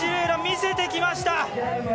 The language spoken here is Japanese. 楽、見せてきました。